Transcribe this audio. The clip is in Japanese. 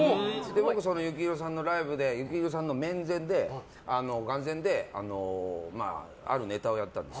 僕、その幸宏さんのライブで幸宏さんの眼前であるネタをやったんです。